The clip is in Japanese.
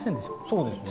そうですね